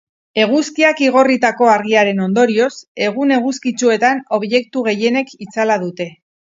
Eguzkiak igorritako argiaren ondorioz, egun eguzkitsuetan objektu gehienek itzala dute.